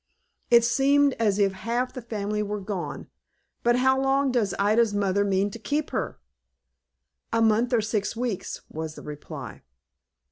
"It seemed as if half the family were gone. But how long does Ida's mother mean to keep her?" "A month or six weeks," was the reply.